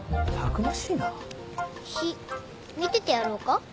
火見ててやろうか？